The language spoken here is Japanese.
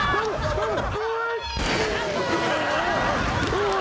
うわ！